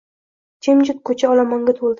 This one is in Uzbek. Jimjit koʼcha olomonga toʼldi.